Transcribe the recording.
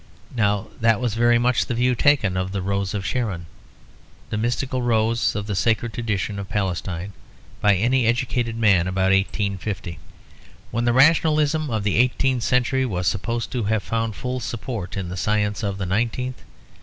Now that was very much the view taken of the Rose of Sharon, the mystical rose of the sacred tradition of Palestine, by any educated man about 1850, when the rationalism of the eighteenth century was supposed to have found full support in the science of the nineteenth.